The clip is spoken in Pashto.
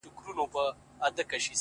ه ژوند به دي خراب سي داسي مه كــوه تـه _